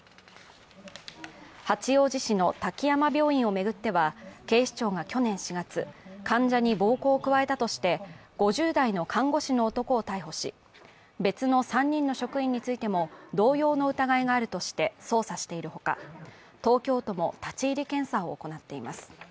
八王子市の滝山病院を巡っては警視庁が去年４月、患者に暴行を加えたとして５０代の看護師の男を逮捕し別の３人の職員についても同様の疑いがあるとして捜査しているほか、東京都も立入検査を行っています。